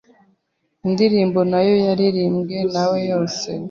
indirimbo nayo yaririmbwe nawe yose